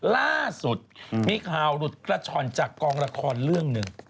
ล่าสุดมีข่าวหลุดกระช่อนจากกองละครเรื่องหนึ่ง